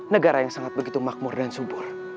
negara yang sangat begitu makmur dan subur